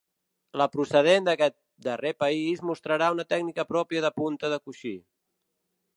La procedent d’aquest darrer país mostrarà una tècnica pròpia de punta de coixí.